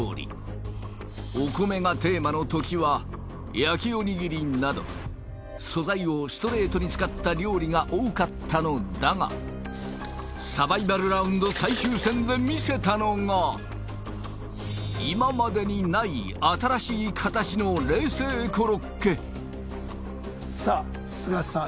お米がテーマのときは焼きおにぎりなど素材をストレートに使った料理が多かったのだがサバイバルラウンド最終戦で見せたのが今までにない新しい形の冷製コロッケさあ須賀さん